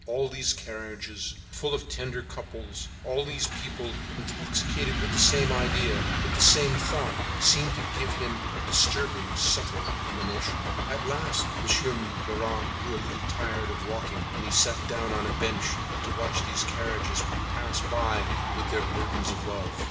All these carriages full of tender couples, all these people intoxicated with the same idea, with the same thought, seemed to give out a disturbing, subtle emanation. At last Monsieur Leras grew a little tired of walking, and he sat down on a bench to watch these carriages pass by with their burdens of love.